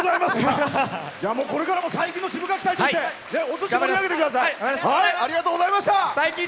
これからも佐伯のシブがき隊としてお寿司、盛り上げてください。